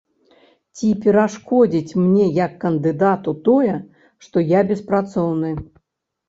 Ці перашкодзіць мне як кандыдату тое, што я беспрацоўны?